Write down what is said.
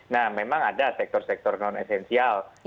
nah memang ada sektor sektor non esensial